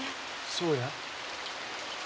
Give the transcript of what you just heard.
そうや。